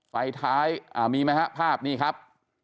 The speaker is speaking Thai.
ไฟท้ายมีไหมฮะภาพนี่ครับ